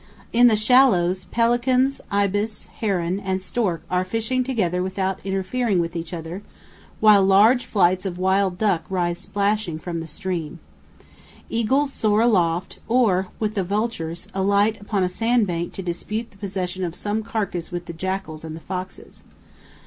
In the shallows pelicans, ibis, heron, and stork are fishing together without interfering with each other, while large flights of wild duck rise splashing from the stream. Eagles soar aloft, or, with the vultures, alight upon a sand bank to dispute the possession of some carcass with the jackals and the foxes.